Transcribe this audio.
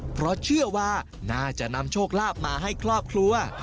เพราะเชื่อว่าน่าจะนำโชคลาภมาให้ครอบครัว